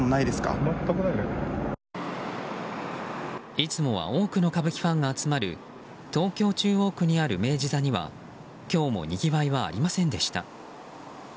いつもは多くの歌舞伎ファンが集まる東京・中央区にある明治座には今日もにぎわいはありませんでした。